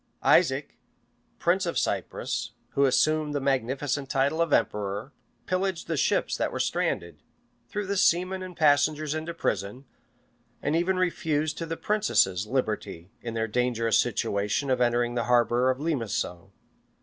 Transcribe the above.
Isaac, prince of Cyprus, who assumed the magnificent title of emperor, pillaged the ships that were stranded, brew the seamen and passengers into prison, and even refused to the princesses liberty, in their dangerous situation, of entering the harbor of Limisso.